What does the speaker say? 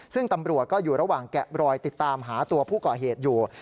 ซึ่งตำรวจก็อยู่ระหว่างแกะรอยติดตามหาตัวผู้ก่อเหตุอยู่